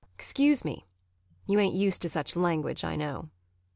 ] Excuse me. You ain't used to such language, I know.